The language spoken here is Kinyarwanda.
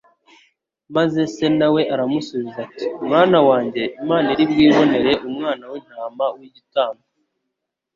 Maze Se na we aramusubiza ati : Mwana wanjye Imana iri bwibonere umwana w'intama w'igitambo